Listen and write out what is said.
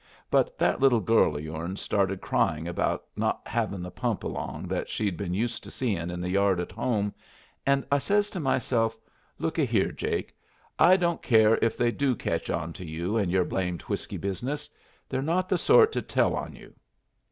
But that little girl of yourn started cryin' about not havin' the pump along that she'd been used to seein' in the yard at home. And I says to myself, 'Look a here, Jake, I don't care if they do ketch on to you and yer blamed whiskey business. They're not the sort to tell on you.'